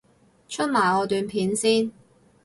出埋我段片先